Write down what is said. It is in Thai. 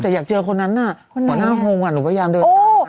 แต่อยากเจอคนนั้นอ่ะหัวหน้าโฮงอ่ะหนูพยายามเดินไปหา